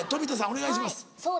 お願いします。